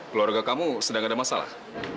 keluarga kamu sedang ada masalah